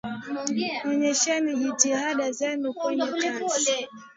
Onyesheni jitihada zenu kwenye kazi.